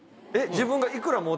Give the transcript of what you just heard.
自分が。